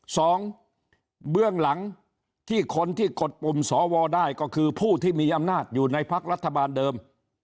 สองเบื้องหลังที่คนที่กดปุ่มสวได้ก็คือผู้ที่มีอำนาจอยู่ในพักรัฐบาลเดิม